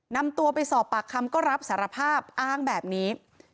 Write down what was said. นำตัวไปสอบปากคำก็รับสารภาพอ้างแบบนี้